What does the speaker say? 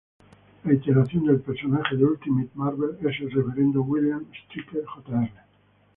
La iteración del personaje de Ultimate Marvel es el Reverendo William Stryker Jr.